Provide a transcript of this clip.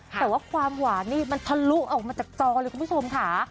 แต่ว่าความหวานนี่มันทะลุออกมาจากจอเลยคุณผู้ชมค่ะ